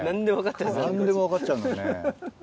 何でも分かっちゃうんだね。